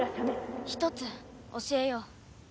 ひとつ教えよう。